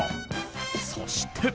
そして。